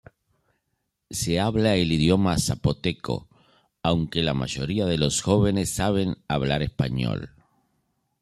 Se habla el idioma Zapoteco, aunque la mayoría de los jóvenes saben hablar español.